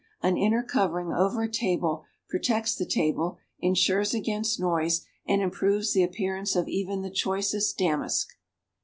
An inner covering over a table protects the table, insures against noise and improves the appearance of even the choicest damask.